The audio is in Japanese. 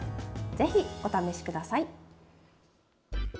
ぜひ、お試しください。